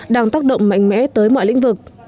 đang tác động mạnh mẽ tới mọi lĩnh vực